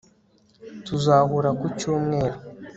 Tuzahura ku cyumweru